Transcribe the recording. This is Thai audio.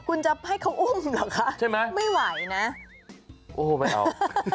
คุณจะให้เขาอุ่มหรือคะไม่ไหวนะโอ๊ยไม่เอา